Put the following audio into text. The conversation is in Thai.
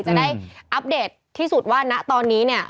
จะได้อัปเดตที่สุดว่าณตอนนี้เนี่ย